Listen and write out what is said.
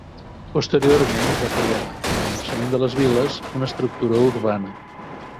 Posteriorment es va crear, amb el naixement de les viles, una estructura urbana.